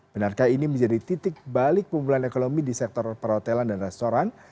benarkah ini menjadi titik balik pemulihan ekonomi di sektor perhotelan dan restoran